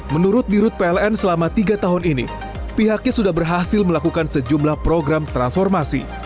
menurut dirut pln selama tiga tahun ini pihaknya sudah berhasil melakukan sejumlah program transformasi